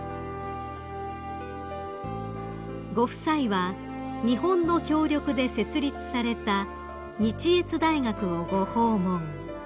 ［ご夫妻は日本の協力で設立された日越大学をご訪問］